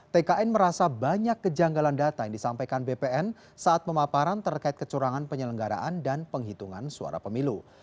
tkn merasa banyak kejanggalan data yang disampaikan bpn saat pemaparan terkait kecurangan penyelenggaraan dan penghitungan suara pemilu